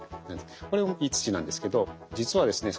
これもいい土なんですけど実はですね